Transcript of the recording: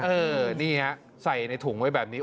นี่ฮะใส่ในถุงไว้แบบนี้